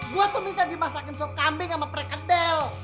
gue tuh minta dimasakin sop kambing sama pre kedel